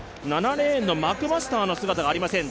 ７レーンのマクマスターの姿がありません。